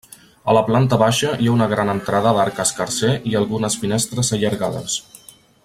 A la planta baixa hi ha una gran entrada d'arc escarser i algunes finestres allargades.